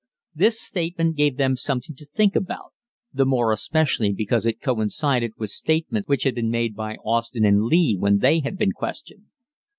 This statement gave them something to think about, the more especially because it coincided with statements which had been made by Austin and Lee when they had been questioned.